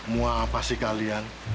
mau apa sih kalian